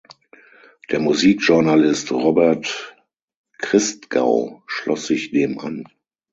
Der Musikjournalist Robert Christgau schloss sich dem an.